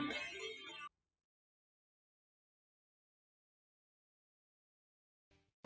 nội dung thi phát thanh bao gồm